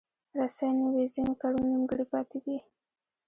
رسۍ نه وي، ځینې کارونه نیمګړي پاتېږي.